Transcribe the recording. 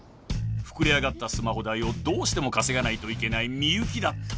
［膨れ上がったスマホ代をどうしても稼がないといけない深雪だった］